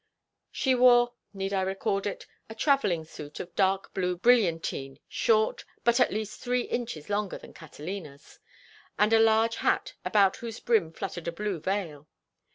She wore—need I record it?—a travelling suit of dark blue brilliantine, short—but at least three inches longer than Catalina's—and a large hat about whose brim fluttered a blue veil.